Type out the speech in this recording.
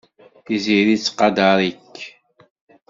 Tiziri tettqadar-ik.